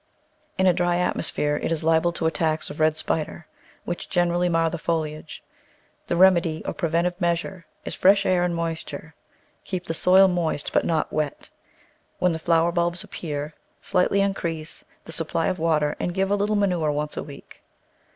In a dry atmosphere it is liable to attacks of red spider, which greatly mar the foliage. The remedy or preventive measure is fresh air and moisture. Keep the soil moist but not wet. When the flower buds appear slightly increase the supply of water and give a little manure once a week.